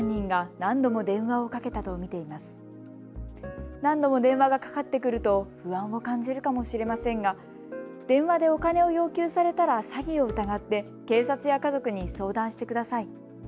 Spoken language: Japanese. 何度も電話がかかってくると不安を感じるかもしれませんが電話でお金を要求されたら詐欺を疑って警察や家族に相談してください。